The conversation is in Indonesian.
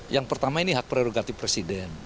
yang pertama ini hak prerogatif presiden